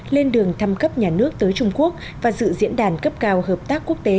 lên đường thăm cấp nhà nước tới trung quốc và dự diễn đàn cấp cao hợp tác quốc tế